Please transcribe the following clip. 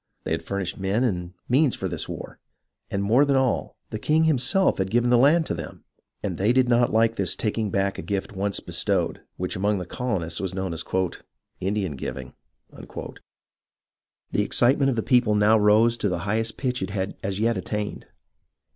They had furnished men and means for this war, and more than all, the king himself had given the land to them, and they did not like this taking back a gift once bestowed, which among the colonists was known as " Indian giving." The excitement of the people now rose to the highest pitch it had as yet attained.